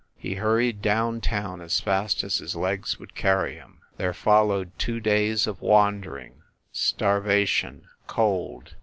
He hurried down town as fast as his legs would carry him. There followed two days of wandering, starva tion, cold. ..